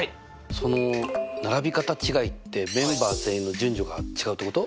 その並び方違いってメンバー全員の順序が違うってこと？